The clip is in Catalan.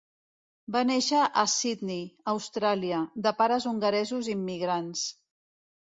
Va néixer a Sydney, Austràlia, de pares hongaresos immigrants.